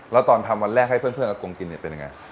แล้วตอนทำวันแรกให้เพื่อนอากงกินเนี่ยเป็นยังไง